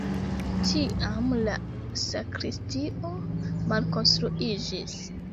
Tiam la sakristio malkonstruiĝis.